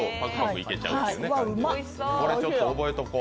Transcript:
これ、ちょっと覚えとこ。